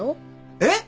えっ？